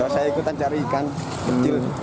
saya ikutan cari ikan kecil